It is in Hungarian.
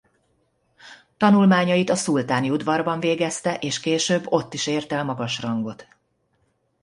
Tanulmányait a szultáni udvarban végezte és később ott is ért el magas rangot.